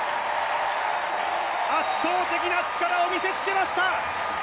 圧倒的な力を見せつけました。